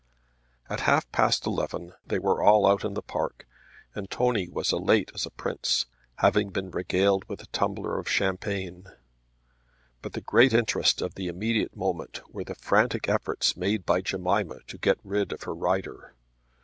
At half past eleven they were all out in the park, and Tony was elate as a prince having been regaled with a tumbler of champagne. But the great interest of the immediate moment were the frantic efforts made by Jemima to get rid of her rider.